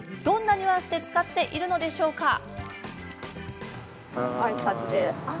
どんなニュアンスで使っているのでしょうか。